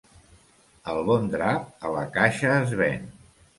El bon drap a la caixa es ven.